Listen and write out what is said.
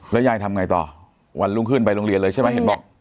แล้วยายทำไงต่อวันรุ่งขึ้นไปโรงเรียนเลยใช่ไหม